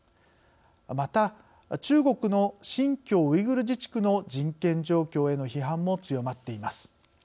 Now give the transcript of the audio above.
また中国の新疆ウイグル自治区の人権状況への批判も強まっています。